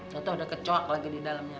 ternyata udah kecok lagi di dalamnya